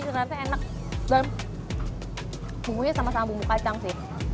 karena enak dan bumbunya sama sama bumbu kacang sih